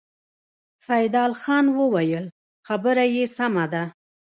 سيدال خان وويل: خبره يې سمه ده.